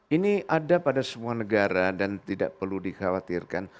ini ada pada semua negara dan tidak perlu dikhawatirkan